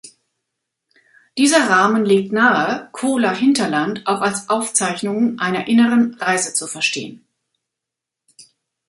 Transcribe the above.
Dieser Rahmen legt nahe, "Cola-Hinterland" auch als Aufzeichnungen einer inneren Reise zu verstehen.